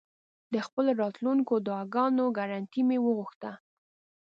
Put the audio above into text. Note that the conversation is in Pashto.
د خپلو راتلونکو دعاګانو ګرنټي مې وغوښته.